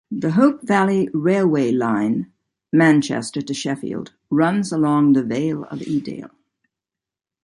The Hope Valley railway line (Manchester to Sheffield) runs along the Vale of Edale.